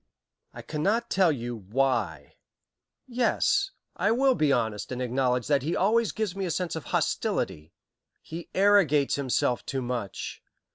"I cannot tell you 'why.' Yes, I will be honest and acknowledge that he always gives me a sense of hostility. He arrogates himself too much.